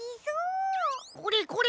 これこれ。